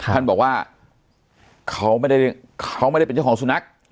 ท่านบอกว่าเขาไม่ได้เป็นเจ้าของสุนัก